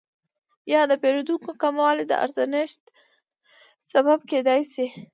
یا د پیرودونکو کموالی د ارزانښت سبب کیدای شي؟